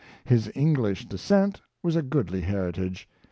His English descent was a goodly heritage.